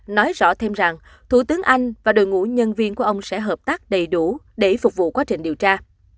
nói rõ thêm rằng thủ tướng anh và đội ngũ nhân viên của ông sẽ hợp tác đầy đủ để phục vụ quá trình điều tra